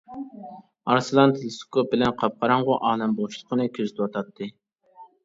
ئارسلان تېلېسكوپ بىلەن قاپقاراڭغۇ ئالەم بوشلۇقىنى كۆزىتىۋاتاتتى.